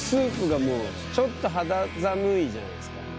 ちょっと肌寒いじゃないですか。